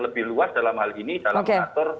lebih luas dalam hal ini dalam mengatur